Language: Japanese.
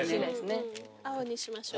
青にしましょう。